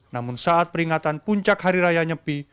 namun saat peringatan puncak hari raya nyepi